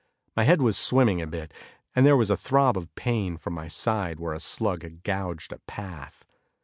My head was swimming a bit, and there was a throb of pain from my side where a slug had gouged a path.